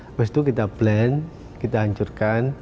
habis itu kita plan kita hancurkan